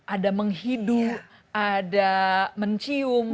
ada menghidu ada mencium